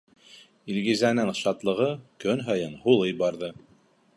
Илгизәнең шатлығы көн һайын һулый барҙы.